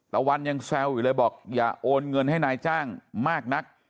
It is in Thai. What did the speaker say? ตะวันยังแซวอยู่เลยบอกอย่าโอนเงินให้นายจ้างมากนัก